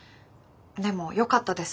でもよかったです